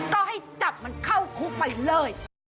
ก็ให้จับมันเข้าคุกไปเลย